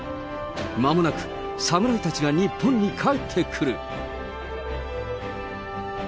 まもなく侍たちが日本に帰ってくる。